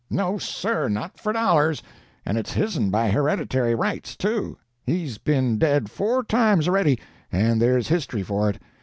"No, sir, not for dollars! And it's his'n by hereditary rights, too; he's been dead four times a'ready, and there's history for it.